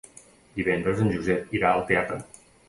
Divendres en Josep irà al teatre.